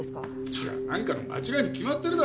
それは何かの間違いに決まってるだろう。